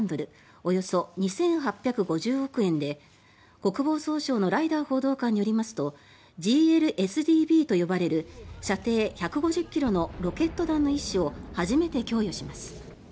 およそ２８５０億円で国防総省のライダー報道官によりますとＧＬＳＤＢと呼ばれる射程１５０ｋｍのロケット弾の一種を初めて供与します。